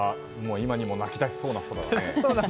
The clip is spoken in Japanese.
今にも泣きだしそうな空だね。